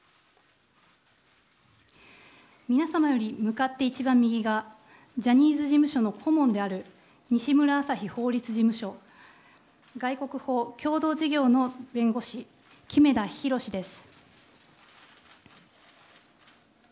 皆様より、向かって一番右がジャニーズ事務所の顧問である西村あさひ法律事務所外国法共同事業の弁護士木目田裕です。